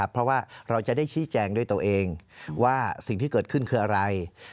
เพราะว่าเราจะได้ชี้แจงด้วยตัวเองว่าสิ่งที่เกิดขึ้นคืออะไร